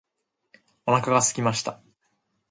お腹がすきました。